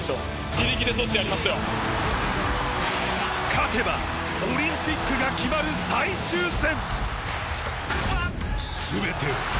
勝てば、オリンピックが決まる最終戦。